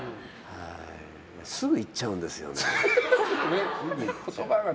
すぐいっちゃうんですよね。